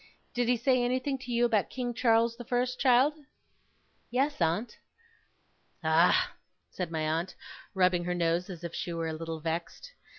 Did he say anything to you about King Charles the First, child?' 'Yes, aunt.' 'Ah!' said my aunt, rubbing her nose as if she were a little vexed.